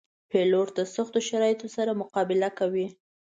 پیلوټ د سختو شرایطو سره مقابله کوي.